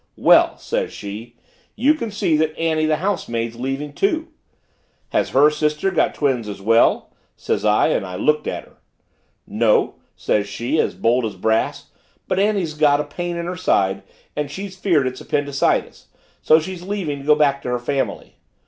'Well!' says she, 'you can see that Annie the housemaid's leaving, too.' 'Has her sister got twins as well?' says I and looked at her. 'No,' says she as bold as brass, 'but Annie's got a pain in her side and she's feared it's appendycitis so she's leaving to go back to her family.'